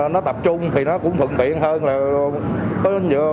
nó tập trung thì nó cũng thuận tiện hơn